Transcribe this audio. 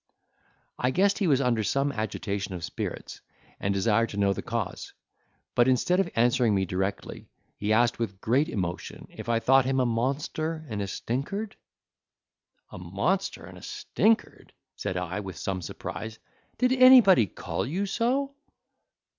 I guessed he was under some agitation of spirits and desired to know the cause; but, instead of answering me directly, he asked with great emotion, if I thought him a monster and a stinkard? "A monster and a stinkard!" said I, with some surprise: "did anybody call you so?"